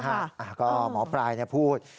เนี่ยก็หมอปรายพูด